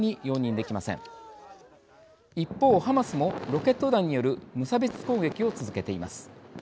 一方ハマスもロケット弾による無差別攻撃を続けています。